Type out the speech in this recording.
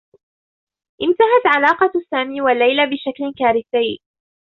انتهت علاقة سامي و ليلى بشكل كارثيّ.